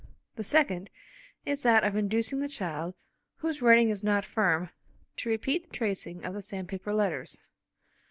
The second, is that of inducing the child, whose writing is not firm, to repeat the tracing of the sandpaper letters.